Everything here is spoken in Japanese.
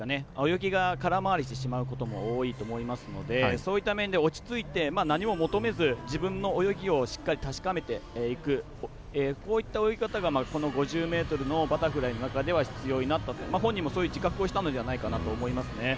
泳ぎが空回りしてしまうこともあるのでそういった面で落ち着いて何も求めず自分の泳ぎをしっかり確かめていくこういった泳ぎ方がこの５０ｍバタフライの中で必要になってくると本人もそういう自覚をしたのではないかと思いますね。